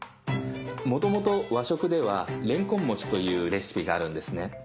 もともと和食ではれんこん餅というレシピがあるんですね。